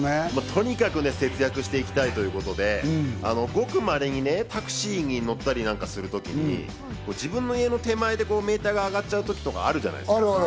とにかく節約していきたいということで、ごくまれにタクシーに乗ったりする時なんかに自分の家の手前でメーターが上がっちゃう時とかあるじゃないですか？